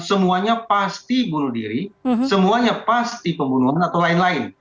semuanya pasti bunuh diri semuanya pasti pembunuhan atau lain lain